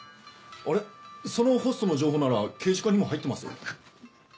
あれそのホストの情報なら刑事課にも入ってますよ。